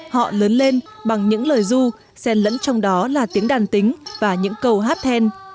họ lớn lên bằng những lời du xen lẫn trong đó là tiếng đàn tính và những câu hát then